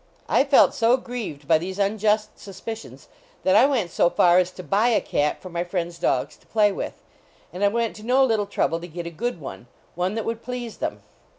I felt so grieved by these unjust suspicions that I went so far as to buy a cat for my friends dogs to play with. And I went to no little trouble to get a good one ; one that would please them.